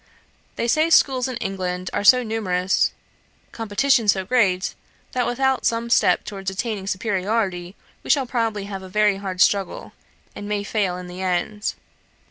They say schools in England are so numerous, competition so great, that without some such step towards attaining superiority, we shall probably have a very hard struggle, and may fail in the end.